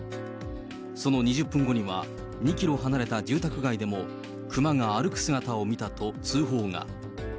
その２０分後には、２キロ離れた住宅街でも、熊が歩く姿を見たと通報が。